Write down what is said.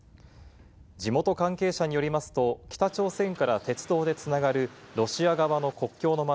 地元関係者によりますと、北朝鮮から鉄道でつながるロシア側の国境の街